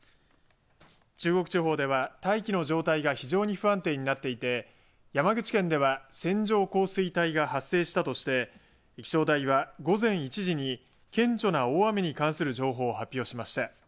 中国地方では大気の状態が非常に不安定になっていて山口県では線状降水帯が発生したとして気象台は、午前１時に顕著な大雨に関する情報を発表しました。